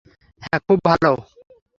হ্যাঁ, খুব ভাল।